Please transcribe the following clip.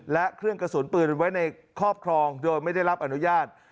และเครื่องกระสุนปืนไว้ในครอบครองโดยไม่ได้รับอนุญาต